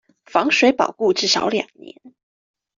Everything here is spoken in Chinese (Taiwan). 防水保固至少兩年